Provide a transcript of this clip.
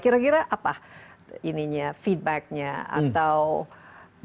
kira kira apa feedbacknya atau berhasil